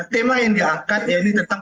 tema yang diangkat ya ini tentang